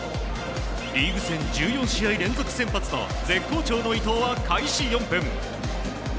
リーグ戦、１４試合連続先発と絶好調の伊東は開始４分。